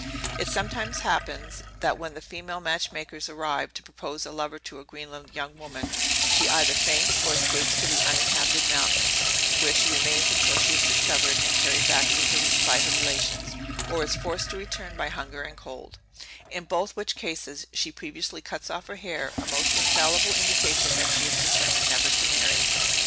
It sometimes happens, that when the female match makers arrive to propose a lover to a Greenland young woman, she either faints, or escapes to the uninhabited mountains, where she remains till she is discovered and carried back by her relations, or is forced to return by hunger and cold; in both which cases, she previously cuts off her hair; a most infallible indication, that she is determined never to marry.